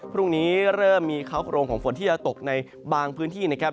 พรุ่งนี้เริ่มมีเค้าโครงของฝนที่จะตกในบางพื้นที่นะครับ